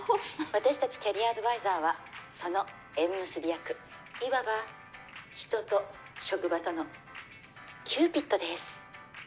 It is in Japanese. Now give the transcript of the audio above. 私たちキャリアアドバイザーはその縁結び役いわば人と職場とのキューピッドです。